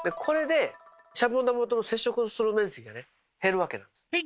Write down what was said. これでシャボン玉と接触をする面積がね減るわけなんです。